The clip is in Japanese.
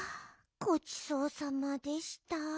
ごちそうさまでした。